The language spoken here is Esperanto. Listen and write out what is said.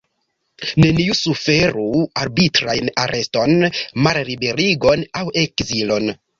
Neniu suferu arbitrajn areston, malliberigon aŭ ekzilon.